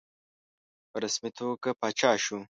په رسمي توګه پاچا شو.